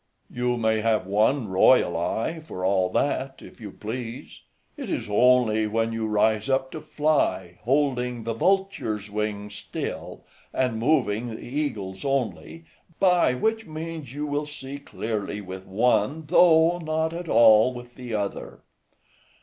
"You may have one royal eye, for all that, if you please; it is only when you rise up to fly, holding the vulture's wing still, and moving the eagle's only; by which means, you will see clearly with one, though not at all with the other."